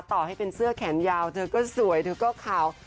ต่อให้เป็นเสื้อแขนยาวเธอก็สวยเธอก็ขาว